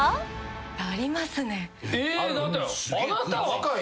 若い。